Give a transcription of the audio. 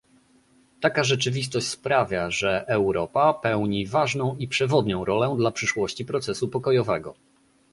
Taka rzeczywistość sprawia, że Europa pełni ważną i przewodnią rolę dla przyszłości procesu pokojowego